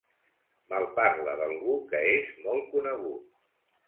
Malparla d'algú que és molt conegut.